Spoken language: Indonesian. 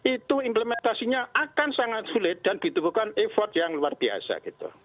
itu implementasinya akan sangat sulit dan ditemukan effort yang luar biasa gitu